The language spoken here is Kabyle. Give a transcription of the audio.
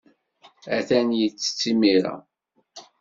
Atan yettett imir-a.